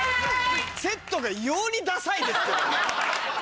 セットが異様にダサいですけどね。